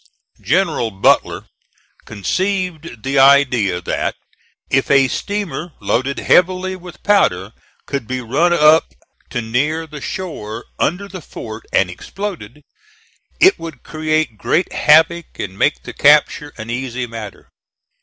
General Butler conceived the idea that if a steamer loaded heavily with powder could be run up to near the shore under the fort and exploded, it would create great havoc and make the capture an easy matter.